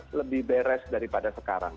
jadi saya lebih beres daripada sekarang